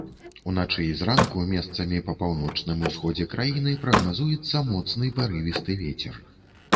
Уначы і зранку месцамі па паўночным усходзе краіны прагназуецца моцны парывісты вецер.